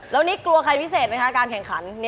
แล้วคลัวใครพิเศษกับการแข่งขัน